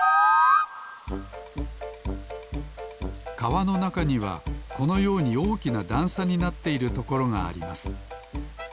かわのなかにはこのようにおおきなだんさになっているところがあります。